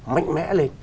mạnh mẽ lên